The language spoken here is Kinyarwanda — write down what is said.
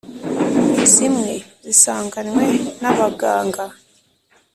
zimwe zisanganywe n’abaganga